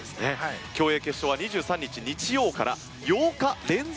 競泳決勝は２３日日曜から８夜連続